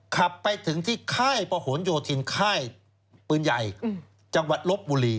ขับไปถึงที่ค่ายประหลโยธินค่ายปืนใหญ่จังหวัดลบบุรี